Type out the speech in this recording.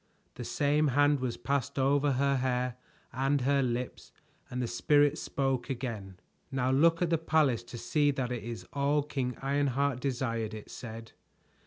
The same hand was passed over her hair and her lips and the Spirit spoke again. "Now look at the palace to see that it is all King Ironheart desired," it said.